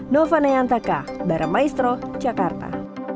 nova nayantaka baramaestro jakarta